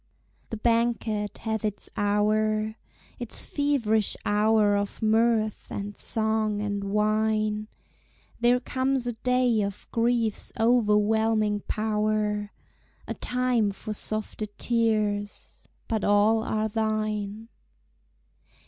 The banquet hath its hour, Its feverish hour of mirth, and song, and wine; There comes a day of griefs overwhelming power, A time for softer tears but all are thine.